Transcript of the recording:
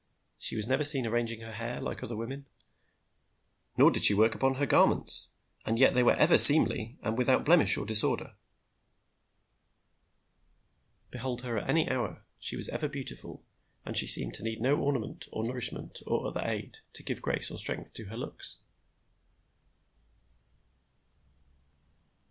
She was never seen arranging her hair, like other women, nor did she work upon her garments, and yet they were ever seemly and without blemish or disorder. Behold her at any hour, she was ever beautiful, and she seemed to need no ornament, or nourishment, or other aid, to give grace or strength to her looks.